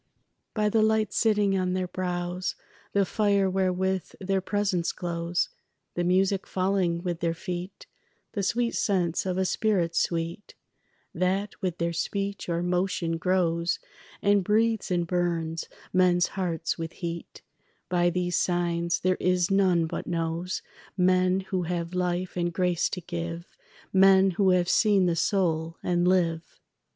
By the light sitting on their brows, The fire wherewith their presence glows, The music falling with their feet, The sweet sense of a spirit sweet That with their speech or motion grows And breathes and burns men's hearts with heat; By these signs there is none but knows Men who have life and grace to give, Men who have seen the soul and live.